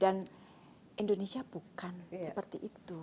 dan indonesia bukan seperti itu